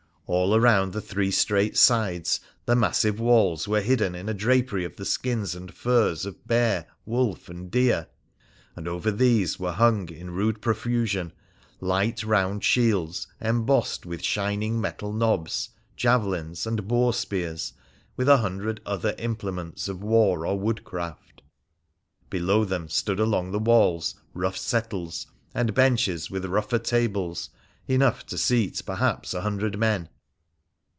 All round the three straight sides the massive walls were hidden in drapery of the skins and furs of bear, wolf, and deer, and over these were hung in rude profu sion light round shields embossed with shining metal knobs, javelins, and boar spears, with a hundred other implements of war or wood craft. Below them stood along the walls rough settles, and benches with rougher tables, enough to seat, perhaps, a hundred men.